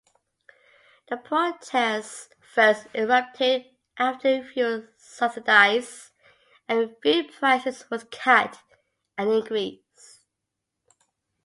The protests first erupted after fuel subsidies and food prices was cut and increased.